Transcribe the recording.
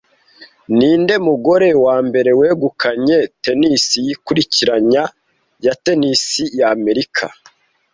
Ninde mugore wambere wegukanye tennis yikurikiranya ya tennis ya Amerika